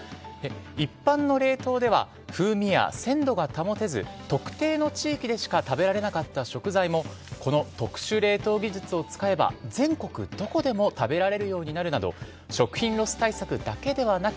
一般の冷凍では、風味や鮮度が保てず、特定の地域でしか食べられなかった食材も、この特殊冷凍技術を使えば、全国どこでも食べられるようになるなど、食品ロス対策だけではなく、